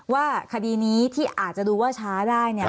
ว่าคดีนี้ที่อาจจะดูว่าช้าได้